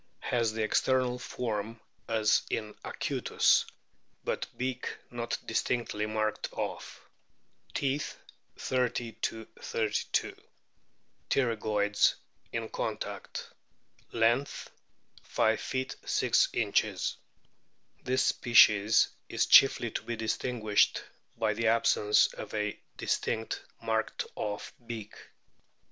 33), has the external form as in acutus, but beak not distinctly marked off. Teeth, 30 32. Pterygoids in contact. Length, 5 ft. 6 in. This species is chiefly to be distinguished by the absence of a distinct marked off beak.